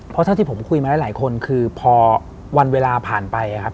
เพราะเท่าที่ผมคุยมาหลายคนคือพอวันเวลาผ่านไปครับ